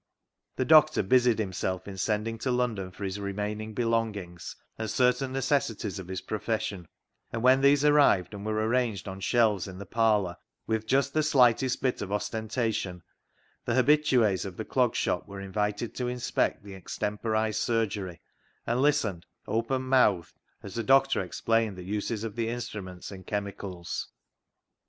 The doctor busied himself in sending to Lon don for his remaining belongings and certain necessities of his profession, and when these arrived and were arranged on shelves in the parlour, with just the slightest bit of ostenta tion, the habituis of the Clog Shop were invited to inspect the extemporised surgery, and listened, open mouthed, as the doctor explained the uses of the instruments and chemicals.